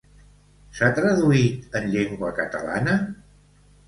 S'ha traduït en llengua catalana?